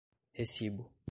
recibo